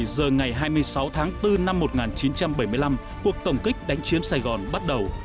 một mươi giờ ngày hai mươi sáu tháng bốn năm một nghìn chín trăm bảy mươi năm cuộc tổng kích đánh chiếm sài gòn bắt đầu